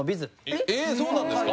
えっそうなんですか？